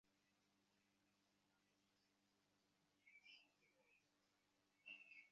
ধরা যাক, দুজনের জন্য বরাদ্দ জায়গাটার একটা নতুন নাম দিতে পারেন।